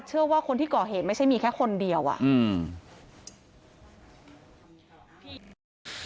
เชื่อว่าคนที่ก่อเหตุไม่ใช่มีแค่คนเดียวอ่ะอืม